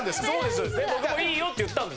で僕もいいよって言ったんです。